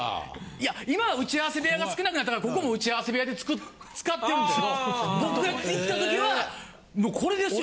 いや今は打ち合わせ部屋が少なくなったからここも打ち合わせ部屋で使ってるんですけど僕が行った時はこれですよ